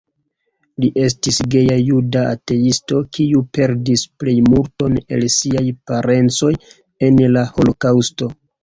Li estis geja juda ateisto, kiu perdis plejmulton el siaj parencoj en la Holokaŭsto.